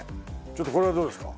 ちょっとこれはどうですか？